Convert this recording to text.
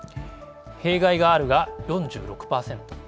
弊害があるが４６％。